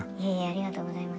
ありがとうございます。